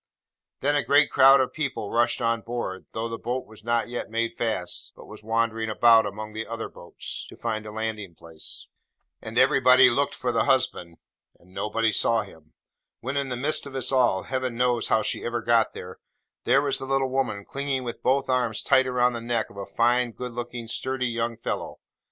Then, a great crowd of people rushed on board, though the boat was not yet made fast, but was wandering about, among the other boats, to find a landing place: and everybody looked for the husband: and nobody saw him: when, in the midst of us all—Heaven knows how she ever got there—there was the little woman clinging with both arms tight round the neck of a fine, good looking, sturdy young fellow!